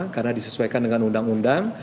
karena disesuaikan dengan undang undang